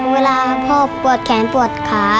เวลาพ่อปวดแขนปวดขา